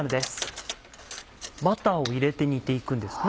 バターを入れて煮て行くんですね。